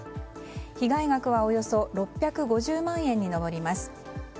被害額はおよそ６５０万円に上ります。